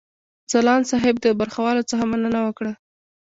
ځلاند صاحب د برخوالو څخه مننه وکړه.